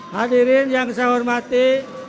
hadirin yang saya hormati